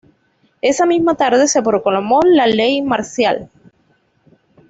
Esa misma tarde se proclamó la ley marcial.